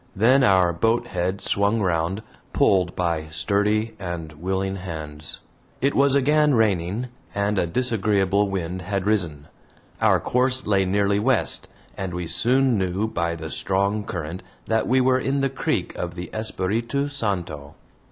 Then our boat head swung round, pulled by sturdy and willing hands. It was again raining, and a disagreeable wind had risen. Our course lay nearly west, and we soon knew by the strong current that we were in the creek of the Espiritu Santo.